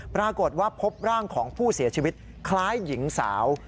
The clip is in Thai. ปรากฏว่าพบร่างของผู้เสียชีวิตคล้ายหญิงสาว